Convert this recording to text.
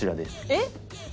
えっ？